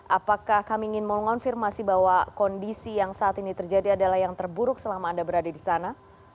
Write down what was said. apakah kami ingin mengonfirmasi bahwa kondisi yang saat ini terjadi adalah yang terburuk selama anda berada di sana